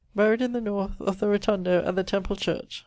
Buried in the north of the rotundo at the Temple Church.